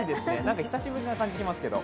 久しぶりな感じしますけど。